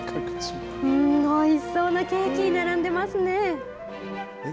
おいしそうなケーキ並んでいますね。